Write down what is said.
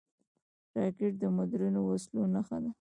راکټ د مدرنو وسلو نښه ده